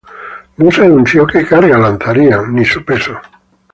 No se anunció que carga lanzarían ni su peso.